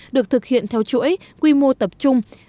được thực hiện theo chuỗi quy mô tập trung